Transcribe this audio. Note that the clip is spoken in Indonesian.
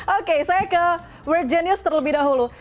oke saya ke world genius terlebih dahulu